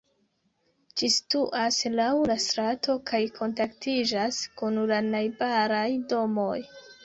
Ĝi situas laŭ la strato kaj kontaktiĝas kun la najbaraj domoj.